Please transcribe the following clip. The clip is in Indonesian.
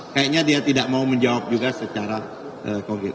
kayaknya dia tidak mau menjawab juga secara konkret